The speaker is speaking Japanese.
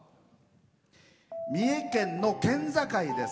三重県の県境です。